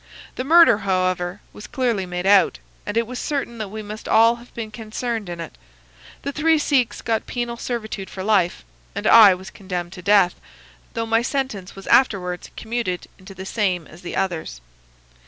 The murder, however, was clearly made out, and it was certain that we must all have been concerned in it. The three Sikhs got penal servitude for life, and I was condemned to death, though my sentence was afterwards commuted into the same as the others.